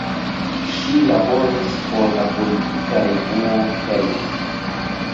Ŝi laboris por la politika revuo "Help!